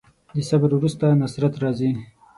د صبر وروسته نصرت راځي.